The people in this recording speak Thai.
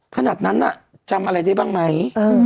ขนาดนั้นน่ะจำอะไรได้บ้างไหม